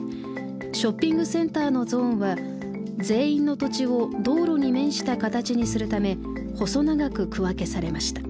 ショッピングセンターのゾーンは全員の土地を道路に面した形にするため細長く区分けされました。